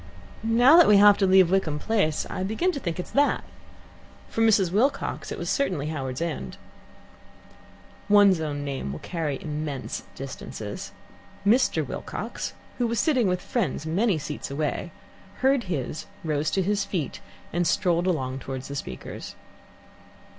"Now that we have to leave Wickham Place, I begin to think it's that. For Mrs. Wilcox it was certainly Howards End." One's own name will carry immense distances. Mr. Wilcox, who was sitting with friends many seats away, heard his, rose to his feet, and strolled along towards the speakers.